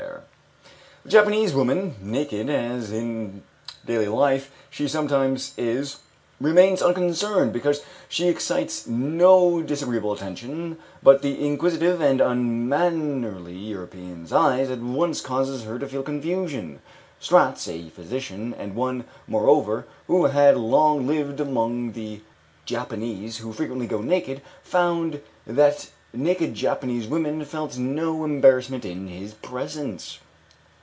The Japanese woman, naked as in daily life she sometimes is, remains unconcerned because she excites no disagreeable attention, but the inquisitive and unmannerly European's eye at once causes her to feel confusion. Stratz, a physician, and one, moreover, who had long lived among the Javanese who frequently go naked, found that naked Japanese women felt no embarrassment in his presence.